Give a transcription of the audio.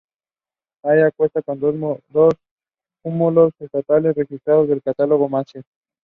It remained on the Andalusian front until the end of the war.